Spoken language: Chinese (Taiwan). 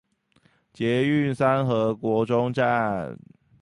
捷運三和國中站